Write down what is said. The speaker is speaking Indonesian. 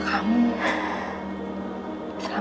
suatu orang nama